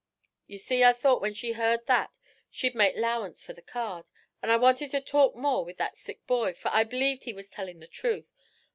You see I thought when she heard that she'd make 'lowance fer the card, an' I wanted to talk more with that sick boy, fer I b'leeved he was tellin' the truth.